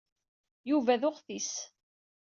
Yuba d uɣtis.